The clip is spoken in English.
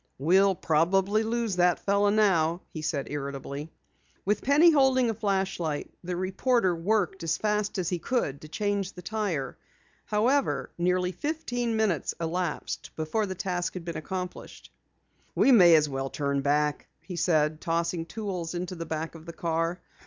"We'll probably lose that fellow now," he said irritably. With Penny holding a flashlight, the reporter worked as fast as he could to change the tire. However, nearly fifteen minutes elapsed before the task had been accomplished. "We may as well turn back," he said, tossing tools into the back of the car.